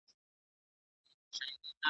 دې تهٔ نهٔ ګوري د اوږو